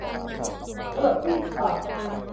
เครื่องรีดผ้า